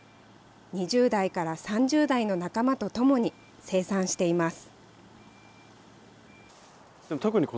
２０代から３０代の仲間と共に生産しています。